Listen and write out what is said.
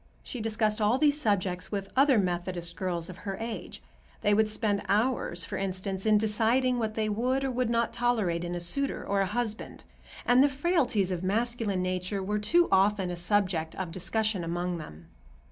She discussed all these subjects with other Methodist girls of her age. They would spend hours, for instance, in deciding what they would or would not tolerate in a suitor or a husband, and the frailties of masculine nature were too often a subject of discussion among them.